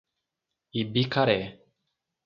Ibicaré